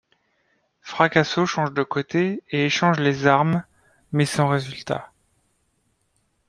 Fracasso change de côté et échange les armes, mais sans résultat.